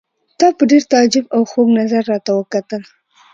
تا په ډېر تعجب او خوږ نظر راته وکتل.